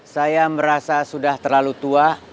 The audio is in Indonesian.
saya merasa sudah terlalu tua